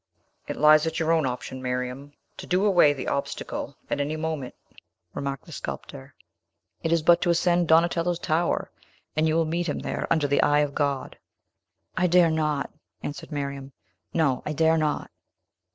"It lies at your own option, Miriam, to do away the obstacle, at any moment," remarked the sculptor. "It is but to ascend Donatello's tower, and you will meet him there, under the eye of God." "I dare not," answered Miriam. "No; I dare not!"